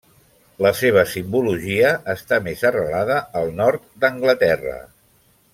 La seva simbologia està més arrelada al nord d'Anglaterra.